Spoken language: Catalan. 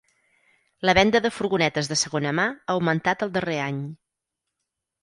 La venda de furgonetes de segona mà ha augmentat el darrer any.